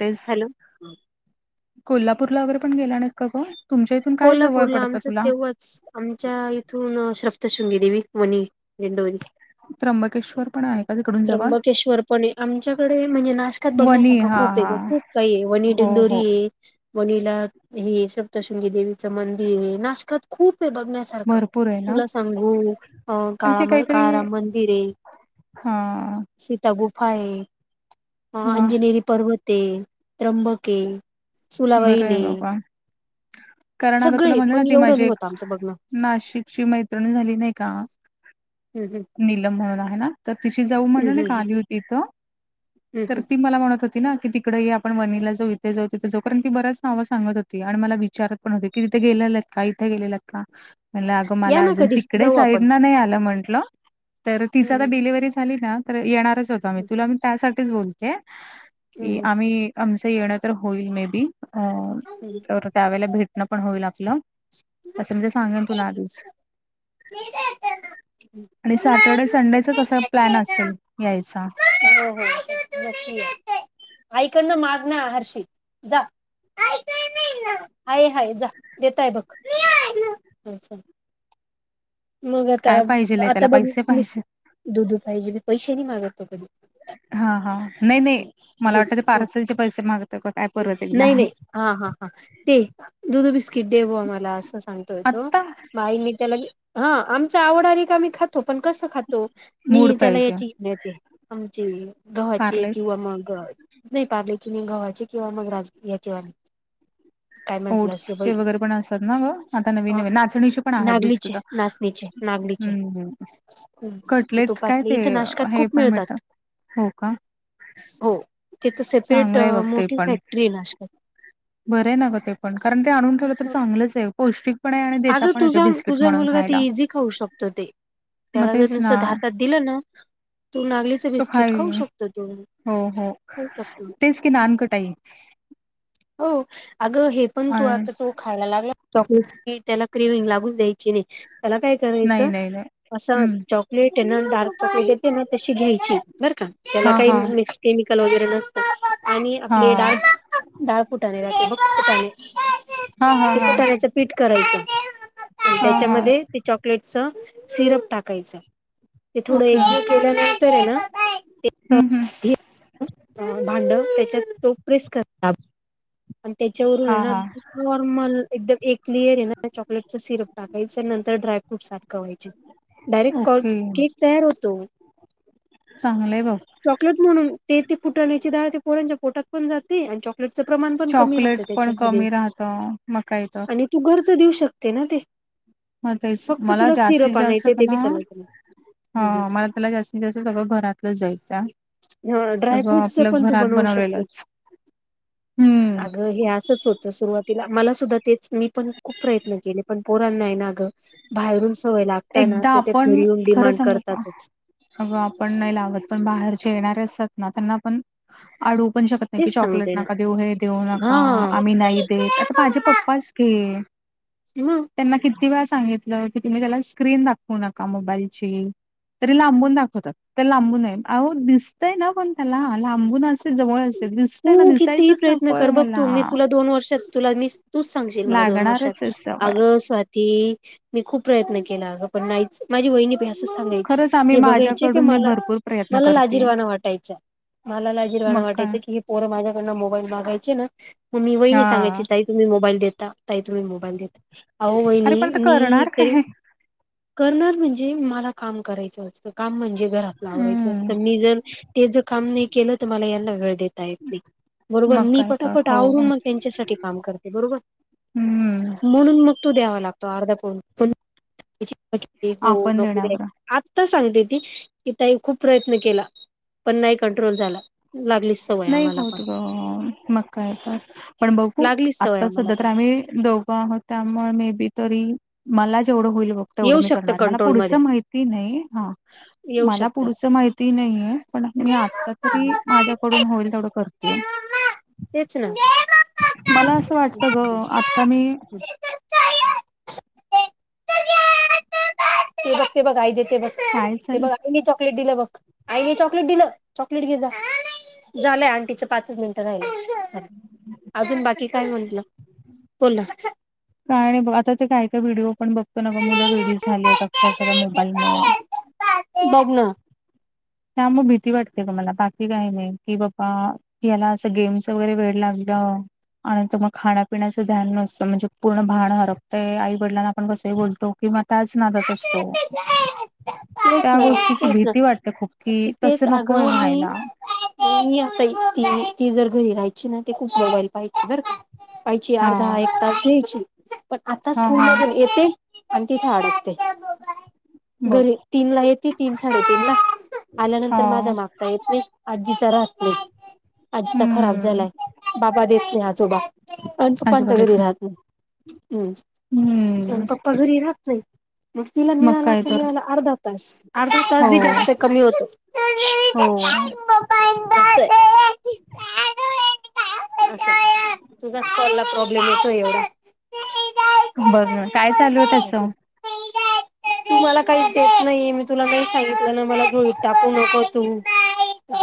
तेच हॅलो कोल्हापूरला वगैरे पण गेला नाही का ग तुमच्या इथून काय जवळ कोल्हापूरला पडतं आमचं तुला? तेव्हाच आमच्या इथून श्रफ्तशृंगी देवी वणी [unintelligible] ण आहेध त्र्यंबकेश्वरपणे आमच्याकडे म्हणजे नाशकात वणी बघण्यासारखा हा खूप आहे हा गं खूप काय वणी हो डंडोरी हो आहे वनिला हे सप्तशृंगी देवीचं मंदिर हे नाशकात खूप हे बघण्या सारखं भरपूर आहे ना तुला सांगू आणि ते काळा काहीतरी काळाराम मंदिर आहे हा सीता गुफा आहे वा अंजनेरी पर्वत आहे त्र्यंबके बरं आहे बाबा कारण अगं तुला सगळे म्हटलं ना पण ती एवढं माझी नाही होतं एक आमचं बघणं नाशिकची मैत्रिणी झाली नाही का हम्म हम्म निलम म्हणून आहे ना तर तिची जाऊ म्हणून हम्म हम्म एक हम्म आली इथं हम्म तर ती मला म्हणत होती ना की तिकडे आपण वनीला जो इथे जाऊ तिथ ती बऱ्याच नावं सांगत होती आणि मला विचारत पण होती की तिथे गेले आहेत का इथे गेलेलेत का म्हणलं अगं या मला ना अजून कधी तिकडे जाऊ साईड आपण ना नाही आलं म्हंटलं तर तिचा तर हम्म डिलिव्हरी झाली ना तर येणारच होतो मी हम्म तुला म त्यासाठीच बोलते कि हम्म हो आम्ही आमच येणं तर होईल मे बी अ ह बरी त्यावेळेला भेटण पण होईल आप असं म्हणजे सांगेन तुला आवस न येत ना आणि सॅटर्डे संडेचाच असा प्लॅन असेल यायचा हो हो नक्की आईकडनं माग ना हर्ष जा हाय हाय जा देतय बघ चल [unintelligible] मग आता काय पाहिजेल आहे त्याला आता बघ पैसे मी पाहिजे. दुधू पाहिजे मी पैसे नाही मागततो कधी हा हा नाही नाही मला वाटत ते दूध पार्सल चे पैसे मागत का काय परत एकदा नाही नाही हा हा हा ते दुध बिस्किट दे ब आम्हाला असं सांगतोय तो आत्ता बाई मी त्याला हा आमचा आवड आहे का आम्ही खातो पण कसं खातो मी मूड त्याला पाहिजे याची घ येते आमचे गव्हाचे पार्ले किंवा मग नाही पारलेची नाही, घावाची किंवा मगराज याची वाणी ओट्सचे वगैरे पण असतात ना ग? आता नवीन अ नवीन नाचणीची पण आहेत नागलीचे बिस्किटं. नाचणीचे नागलीचे हम्म, हम्म, हम्म ते कटलेट काय तुपातले ते, इथे नाशकात हे खूप पण भेट मिळतात हो का? हो, तिथ सेपरेट, चांगलं आहे बघ ते मोठी पण फॅक्टरी आहे, नाशिकात बरं आहे ना ग ते पण, कारण ते आणून ठेवलं तर चांगलंच आहे, पौष्टिक पण आहे आणि देता अगं पण येते तुझा, बिस्किट तुझा म्हणून मुलगा ते खायला इझी खाऊ शकतो ते मग त्याला तेच जर ना नुसंत हातात दिलं ना, तू नागलीच तो बिस्किट खाईल खाऊ शकतो तो हो हो, खाऊ शकतो तेच की नानकटाई हो, अग हे पण तू आता अननस तो खायला लागला, चॉकलेटस ही त्याला क्रिविंग लागून द्यायचीच नाही, त्याला काय नाही करायचं नाही नाही असं हम्म चॉकलेट आहे ना, डार्क चॉकलेट येते ना तशी घ्यायची, बरं का. त्याला हा काही हा मिक्स केमिकल वगैरे नसत, आणि हा आपले डाळ फूठाने [unintelligible] बघ कुठ हा हा हा. पीट करायचा, आणि हा हा त्याच्यामध्ये ते चॉकलेटच सिरप टाकायचं, ते थोडं ओके एकजूट केल्यानंतर ये ना. हम्म हम्म [unintelligible] भांडव त्याच्यात तो प्रेस कर पण त्याच्यावरून हा ये ना, हा नॉर्मल एकदम एक क्लिअर ये ना, चॉकलेटच सिरप टाकायचं, नंतर ड्रायफ्रूटस आटखवायचे. डायरेक्ट कट, ओके केक तयार होतो. चांगलंय बाबा. चॉकलेट म्हणून, ते ते कुटण्याची डाळ ते पोरांच्या पोटात पण जाते, आणि च प्रमाण पण कमी राहत चॉकलेट पण त्याच्यामध्ये, कमी राहतं मग काय तर आणि तू घरच देऊ शकते ना ते म ते फक्त मला तुला जास्तीत सिरप जास्त आणायचे ते कला बी चालायचं ह नाही मला जास्तीत जास्त सगळं घरातलंच जायचं आणि सगळं ड्रायफ्रूटच आपलं पण तू घरात बनवू शकते बनवलेलंच, हम्म! हे असंच होतं, सुरुवातीला मला सुद्धा तेच, मी पण खूप प्रयत्न केले, पण पोरांना हाय ना आग बाहेरून सवय लागताना, एकदा ते ते घरी येऊन डिमांड करतातच. अग आपण नाही लावत, पण बाहेरचे येणारे असतात ना, त्यांना पण अडवू पण शकत नाही की तेच चॉकलेट सांगते ना नका देऊ हे देऊ नका, हा आम्ही नाही देत, आता माझे पप्पाच घे हम् त्यांना किती वेळ सांगितलं, की तुम्ही त्याला स्क्रीन दाखवू नका मोबाईलची तरी लांबून दाखवतात ते लांबून आहे, अहो दिसतय ना पण त्याला, लांबून असो जवळ अस तू कितीही प्रयत्न कर, बघ तू, मी तुला दोन वर्षात तुला मी तूच सांगशील मला दोन वर्षात लागणारच आहे सवय. अग स्वाती, मी खूप प्रयत्न केला आग, पण नाहीच, माझी वहिणी प सांगायची, खरंच आम्ही हे बघायचे की माझ्याकडून मी मला, भरपूर प्रयत्न मला करतेय लाजीरवाना वाटायच. मला लाजिरवाण मग काय वाटायचं की, ही पोर माझ्याकडनं मोबाईल मागायचे ना, मग मी वहिणी हा. सांगयची ताई तुम्ही मोबाईल देता, ताई तुम्ही मोबाईल देता, अहो अरे वहिणी पण ते मी करणार तरी काय करणार म्हणजे, मला काम करायचं असतं, काम म्हणजे घरातल आवरायचं असत, हम्म मी जर तेच काम मी केलं तर मला यांना वेळ देता बरोबर, मग मी काय तर पटापट हो आवरून मग त्यांच्यासाठी काम करते, बरोबर. हम्म म्हणून मग तो द्यावा लागतो, अर्धा हो, आपण नोकरी आहे, देण्यावर आता सांगते ती, की ताई खूप प्रयत्न केला पण नाही कंट्रोल झाला, लागलीस नाही होत ग, मग काय आता पण बघू, लागलीच सवय आत्ता आम्हाला सध्या तर पण आम्ही दोघं आहोत. त्यामुळे मे बी तरी मला जेवढं होईल बघ. येऊ तेवढं मी शकतं करणार मला कंट्रोलमध्ये पुढचं माहिती नाही हा. येऊ मला शकतं पुढचं माहिती नाहीये पण मी आता तरी माझ्या पडून होईल तेवढं करतेय. तेच ना. मला असं वाटत ग आता मी बक्े बघा देते बस. कायचल आणिने चॉकलेट दिलं बघ. आईने चॉकलेट दिलं चॉकलेट घे जा झालंय आंटीच पाचच मिनिटं राहि अजून बाकी काय म्हटलं बोला. काय आणि आता ते काय काय व्हिडिओ पण बघतो न का मुलं वेगळी झाले आहेत अक्षरशः मोबाईलमुळे बघ ना त्या मग भीती वाटते का मला बाकी काही नाही की बाबा. याला असं गेम्स वगैरे वेळ लागलं. आणिंतर मग खाण्यापिण्याचं ध्यान नसतं म्हणजे पूर्ण भान हरपतंय आई वडलां आपण कसंही बोलतो की म त्याच नादात असतो तेच त्या ना गोष्टीची तेच ना भीती वाटते खूप कि तिथेच तसं नकोय अगं मी व्हायला. मी आता त ती जर घरी राहायची ना ते खूप मोबाईल पाहायची बर का? पायची हा अर्धा एक तास घ्यायची पण आता हा स्कूल हा मधून येते आणि तिथेडत. बघ घरी तीन ला येत तीन साडे तन ला हा आल्यानंतर माझा माग. येत आजीचा राहतले आजीचा खराब हम्म झालाय बाबा देतले आ. ोबा आणि आजोबा पप्पांच्या देत घरी राहत ना हम्म. आणि हम्म पप्पा घरी राहत नाही मग तिला मग मिळाला काय त तर मला अर्धा तास. अर्धा तास हो बी जास्त कमी होतो हो शु शु अ तुझ्याच कॉलला प्रॉब्लेम येतोय एवढा बघ ना काय चालूये त्याच असं. तू मला काही देत नाहीे मी तुला नाही सांगितलं ना मला झोळीत टाकू नको तू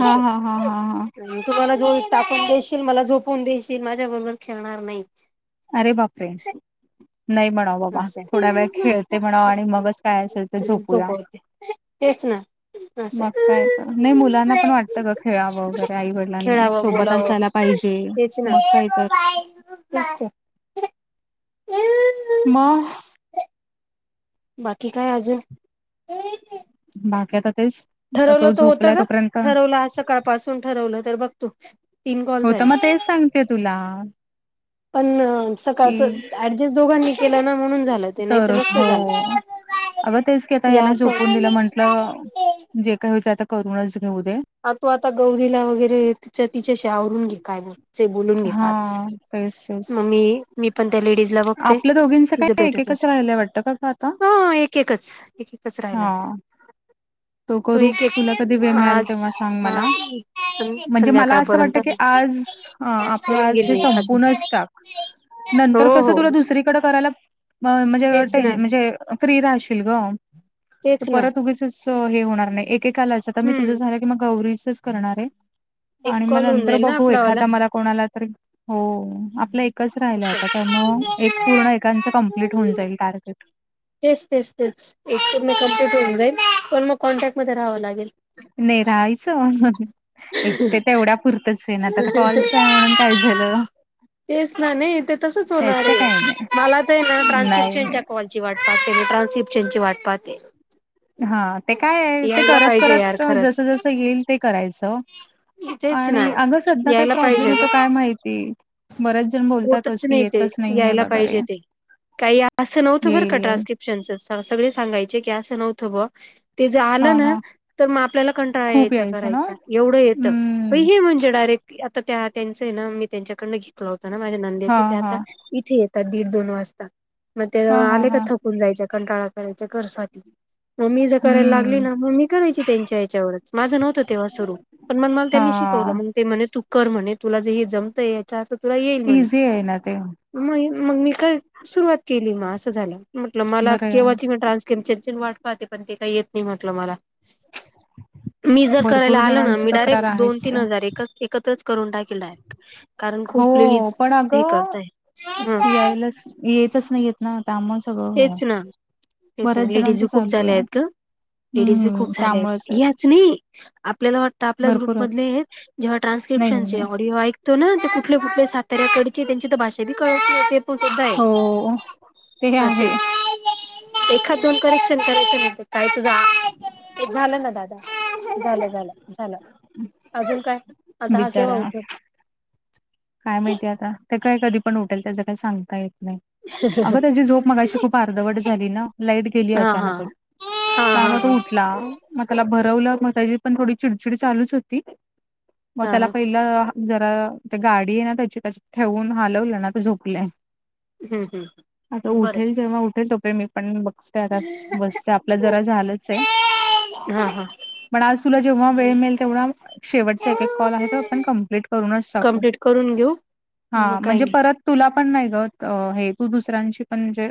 हा हा हा हा हा मी तुमला जो टाकून देशील मला झोपून देशील माझ्या बरोबर खेळणार नाही. अरे बापरे नाही म्हणाव बाबा असं थोडा वेळ खेळते म्हणा आणि मगच काय असेल तर मग झोपूया. झोपवते तेच ना असं मग काय ग नाही मुलांना पण वाटतं ग खेळावं वगैरे आई वडिलांनी खेळावं सोबत बोलावं असायला पाहिजे. तेच ना मग काय तर तेच त म. बाकी काय आजून बाकी आता तेच आता ठरवलं तो तर होतं झोपलाय ग तोपर्यंत ठरवलं आज सकाळपासून ठरवलं तर बघ तू तीन कॉल होत मग झाले तेच सांगतेय तुला पण कि सकाळच ऍडजस्ट दोघांनी केलं ना म्हणून झालं ते नाही तर तरच हो नसत झालं अग तेच की आता याला या झोपून दिलं म्हण आपलं सण जे काय होइल ते आता करूनच घेऊ दे हा तू आता गौरीला वगैरे तिच्या तिच्याशी आवरून घे काय बोलायचंय घे पाच ट्रेस. म मी मी पण त्या लेडीजला बघते आपल्या दोघींचं तिचं काय भेटत एकेकच राहिलंय वाटतं का ग आता असेल हां एक एकच तिथंच राहिलाय हा तो तु करू एक एक तुला कधी वेळ मिळाल आज तेव्हा सांग आ मला. सन म्हणजे मला असं संध्याकाळपर्यंत वाटतं की आज अ आपले करून आज घेईल ते मी एखाद संपूनच टाक नंतर हो हो दुसरीकडं करायला अ म्हणजे तेच ना टेन म्हणजे फ्री राहशील ग तर तेच ना परत उगीचच अ हे होणार नाही, एकेकालाच तर मी तुझं हम्म झालं कि मग गौरीचंच करणारय. एक आणि म कॉल होऊन नंतर जाईल ना बघू आपलावाला एखादा मला कोणाला तरी, हो आपलं एकच राहिलाय असं आता. ता मग एक पूर्ण ए कांचं कम्प्लीट होऊन जाईल टार्गेट. तेच तेच तेच, एक कमी कम्प्लीट होऊन जाईल, पण मग कॉन्टॅक्ट मध्ये राहावं लागेल. नाही राहायचं, एक ते तेवढ्या पुरतंच आहे ना, आता तर कॉलचं चय म्हणून काय झालं? तेच ना, नाही ते तसच त्याच होणारे, काही नाही. मला तर आहे ना नाही ट्रान्सस्क्रीप्शनच्या नाही कॉ ची वाट पाहते मी ट्रान्सस्क्रीप्शनची वाट पाहते. हा, ते काय आहे ते यायला करत पाहिजे करत यार खरंच. जसं जसं येईल ते करायचं. ओ, तेच ना आणि अगं सध्या काय यायला प्रॉब्लेम पाहिजे ग येतो काय माहिती? बरेच जण बो होतच नाही ते, यायला पाहिजे ते, काही असं नव्हतं बर येईल का येईल ट्रांस्किप शनच सर सगळे सांगायचे की असं नव्हतं बवा, ते जर आलं हां ना हां. तर मग आपल्याला कंटाळा खूप यायचा यायचं ना? करायचा, एवढं येतं पण हम्म. हे म्हणजे डायरेक् आता त्या त्यांचं येना मी त्यांच्याकडनं घेतलं होतं ना माझ्या नंदेच त्या हां आता हां, इथे त्या दीड दोन वाजता, मग ते हां हां आले का हां, थकून जायच्या कंटाळा करायच्या कर स्वाती. म मी जर करायला लागली हम्म. ना, म मी करायची त्यांच्या याच्यावरच माझं नव्हतं तेव्हा सुरू. पण मग मला त्यांनी शिकवलं हां, मग ते म्हणे तू कर म्हणे, तुला जे हे जमतंय याचा अर्थ तुला येईल म्हणे. इझी आहे ना ते मय मग मी काय सुरुवात केली म असं झालं, म्हटलं मला बरं आहे. केव्हाची मी ट्रान्स किपचंची वाट पाहते पण ते काही येत नाही म्हटलं मला. मी जर भरपूर करायला आलं ना जणांची मी डायरेक्ट, तक्रार दोन आहेच. तीन हजार एकच एकत्रच करून टाकेल डायरेक्ट. कारण खूप हो, लेडीज पण हे अगं करताय ह यायलाच येतच नाहीएत. ना त्यामुळं सगळं हो. तेच ना तेच बऱ्याच लेडीज बी जणांचं खूप चालू झाल्या आहे. आहेत ग. लेडीज बी खूप हम्म, झाल्या आहेत, त्यामुळेच आहे. ह्याच नई, आपल्याला वाटतं आपल्याच ग्रुप मधले आहेत. जेव्हा नाही नाही ट्रान्स्क्रिप्शनचे नाही ऑडिओ ऐक तो ना, ते कुठले कुठले साताऱ्याकडचे त्यांची तर भाषा बी कळत नाही, ते पण सुद्धा आहे. हो ते अशे, आहे एखाद दोन करेक्शन करायचे नाही तर काही तुझा, ये झालं ना दादा झालं झालं. झालं, अजून काय, आता हा केव्हा बिचारा उठेल? काय माहिती आता? ते काय कधी पण उठेल त्याचं काही सांगता येत नाही? अगं त्याची झोप मगा अशी खूप अर्धवट झाली ना, लाईट गेली हा हा अचानकच. हा हा हा. ला, म त्याला भरवलं म त्याची पण थोडी चिडचिड चालूच होती. मग हा त्याला हा पहिलं, जरा ते गाडी आहे ना त्याची त्या ठेवून हलवलं ना ते झोपलाय. हम्म आता हम्म बरं उठेल जेव्हा उठेल तो पर्यंत मी पण बघ ते आता बसते, आपलं जरा झालंच आहे. हा हा पण आज तुला जेव्हा वेळ चालेल मिळेल तेवढा शेवटचा एक एक कॉल आहे तो आपण कम्प्लीट करूनच टाक कम्प्लीट करून घेऊ. मग हा, काही म्हणजे नाही परत तुला पण नाही ग, हे तू दुसऱ्यांशी पण म्हणजे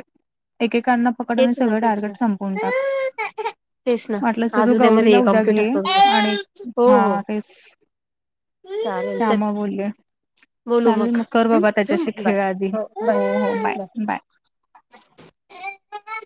एकेकांना पकड आणि तेच ना सगळं तेच ना टार्गेट संपून टाक, तेच ना वाटलंस तर आज तु गौरीला उद्यामध्ये उद्या कम्प्युटच घे आणि करून हो हो हा तेच, चालेल चल त्यामुळं बोलले. बोलू चालेल मग कर हम्म बाबा ठेवू त्याच्याशी मग बाय खेळ आधी, बाय हो हो बाय बाय. बाय.